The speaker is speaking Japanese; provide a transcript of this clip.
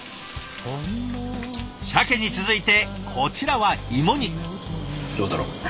さけに続いてこちらは芋煮。